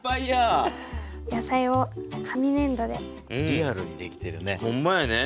リアルに出来てるね。